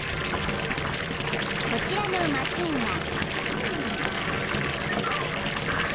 ［こちらのマシンは］